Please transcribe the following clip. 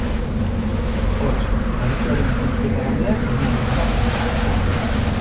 Hots, tradizioaren bilketa-lanean oinarritzen da proiektua.